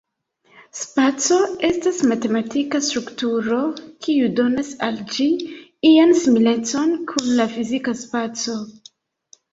Spaco estas matematika strukturo, kiu donas al ĝi ian similecon kun la fizika spaco.